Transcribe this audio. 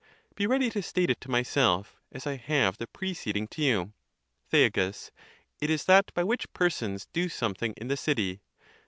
Be ready to state it to myself, as I have the preceding to you. Thea. It is that, by which persons (do something) in the city.